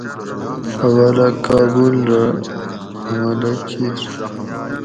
اوالہ کابل رہ حملہ کیر